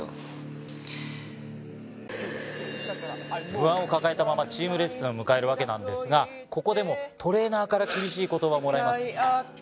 不安を抱えたままチームレッスンを迎えるわけなんですがここでもトレーナーから厳しい言葉をもらいます。